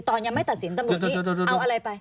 ตอนยังไม่ตัดสินตำรวจนี้เอาอะไรไป